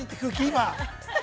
今。